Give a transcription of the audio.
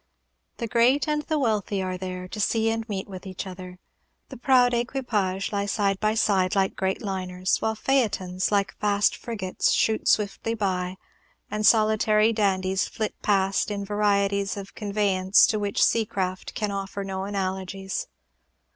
The great and the wealthy are there, to see and to meet with each other. The proud equipages lie side by side, like great liners; while phaetons, like fast frigates, shoot swiftly by, and solitary dandies flit past in varieties of conveyance to which sea craft can offer no analogies.